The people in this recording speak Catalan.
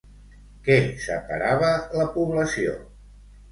Què separava la població?